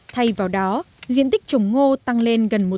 thay vào đó diện tích trồng ngô tăng lên gần một trăm tám mươi hectare